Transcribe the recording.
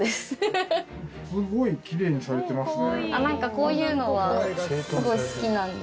こういうのはすごい好きなんで。